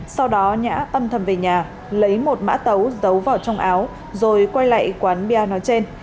sau đó nhã âm thầm về nhà lấy một mã tấu giấu vào trong áo rồi quay lại quán bia nói trên